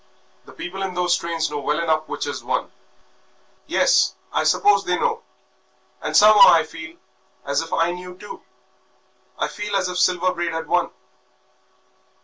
The people in those trains know well enough which has won." "Yes, I suppose they know, and somehow I feel as if I knew too. I feel as if Silver Braid had won."